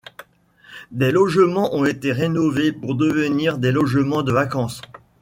Les logements ont été rénové pour devenir des logements de vacances.